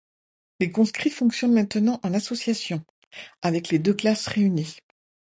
Les conscrits fonctionnent maintenant en association, avec les deux classes réunies.